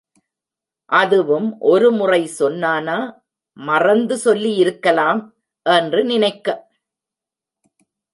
அதுவும் ஒருமுறை சொன்னானா, மறந்து சொல்லியிருக்கலாம் என்று நினைக்க?